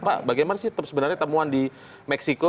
pak bagaimana sih sebenarnya temuan di meksiko